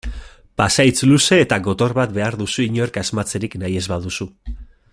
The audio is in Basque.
Pasahitz luze eta gotor bat behar duzu inork asmatzerik nahi ez baduzu.